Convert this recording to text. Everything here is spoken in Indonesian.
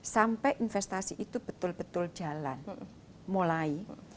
sampai investasi itu betul betul jalan mulai